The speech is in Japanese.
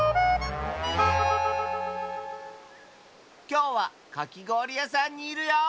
きょうはかきごおりやさんにいるよ！